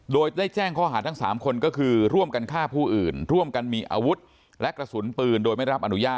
ได้แจ้งข้ออาจทั้ง๓คือร่วมกันฆ่าผู้อื่นร่วมกันมีอวุธและกระสุนปืน